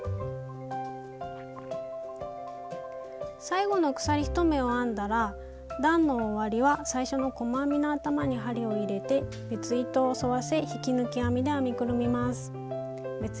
最後の鎖１目を編んだら段の終わりは最初の細編みの頭に針を入れて別糸を沿わせ引き抜き編みで編みくるみます。